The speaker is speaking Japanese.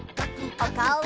おかおを！